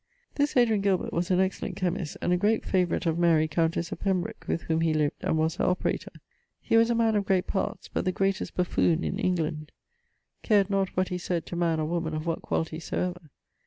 This Adrian Gilbert was an excellent chymist, and a great favourite of Mary, countesse of Pembroke, with whom he lived and was her operator. He was a man of great parts, but the greatest buffoon in England; cared not what he said to man or woman of what quality soever.